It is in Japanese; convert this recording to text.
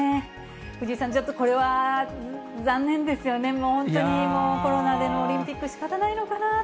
藤井さん、ちょっとこれは残念ですよね、もう本当にもう、コロナでもオリンピックしかたないのかなと。